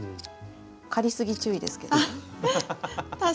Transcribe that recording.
刈りすぎ注意ですけどね。